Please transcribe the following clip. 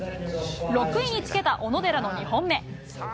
６位につけた小野寺の２本目。